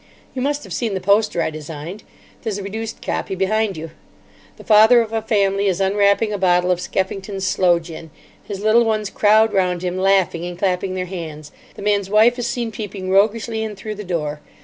You must have seen the poster I designed. There's a reduced copy behind you. The father of a family is unwrapping a bottle of Skeffington's Sloe Gin. His little ones crowd round him, laughing and clapping their hands. The man's wife is seen peeping roguishly in through the door.